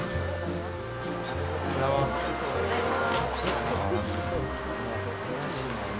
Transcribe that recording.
おはようございます。